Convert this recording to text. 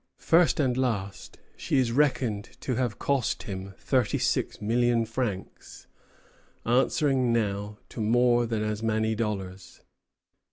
First and last, she is reckoned to have cost him thirty six million francs, answering now to more than as many dollars.